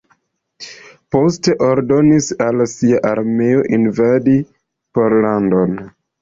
Poste ordonis al sia armeo invadi Pollandon.